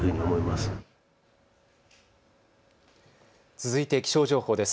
続いて気象情報です。